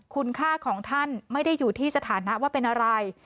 คุณค่าของท่านไม่ได้อยู่ที่สถานะว่าเป็นอะไร